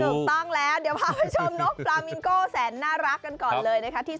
ถูกต้องแล้วเดี๋ยวพาไปชมนกปลามิงโก้แสนน่ารักกันก่อนเลยนะคะ